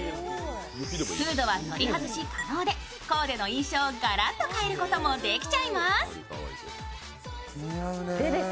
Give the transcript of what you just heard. フードは取り外し可能でコーデの印象をガラッと変えることもできちゃいます。